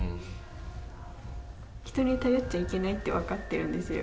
人に頼っちゃいけないって分かってるんですよ